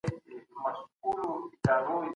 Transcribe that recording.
کور مې برباد دی خو زه تا ابادومه